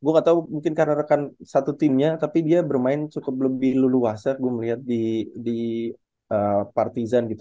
gue gak tau mungkin karena rekan satu timnya tapi dia bermain cukup lebih leluasa gue melihat di partisan gitu